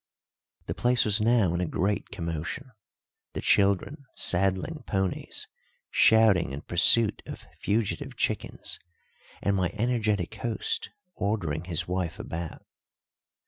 The place was now in a great commotion, the children saddling ponies, shouting in pursuit of fugitive chickens, and my energetic host ordering his wife about.